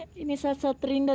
kamu kenapa ra